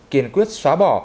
kiên quyết xóa bỏ